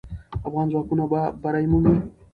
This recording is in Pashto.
افغان ځواکونه به بری مومي.